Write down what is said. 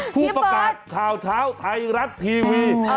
ผู้ประกาศข่าวเช้าไทยรัฐทีวี